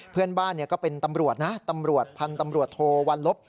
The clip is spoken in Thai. เพื่อนบ้านก็เป็นตำรวจนะตำรวจพันธ์ตำรวจโทวันลบ